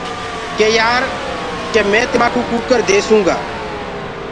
ڪي يآر ڪي مي تمآ ڪوُ ڪٚڪَر ديسونٚ گا۔